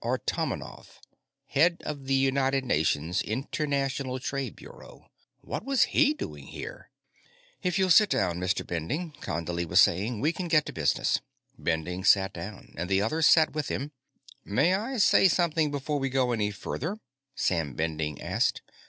Artomonov, head of the United Nation's International Trade Bureau. What was he doing here? "If you'll sit down, Mr. Bending," Condley was saying, "we can get to business." Bending sat down, and the others sat with him. "May I say something before we go any further?" Sam Bending asked.